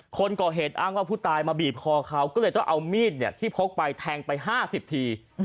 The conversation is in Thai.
คนก่อเหตุอ้างว่าผู้ตายมาบีบคอเขาก็เลยจะเอามีดเนี่ยที่พกไปแทงไปห้าสิบที